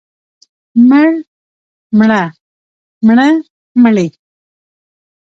مړ، مړه، مړه، مړې.